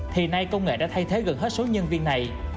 thì nay công nghệ đã thay thế gần hết số nhân viên này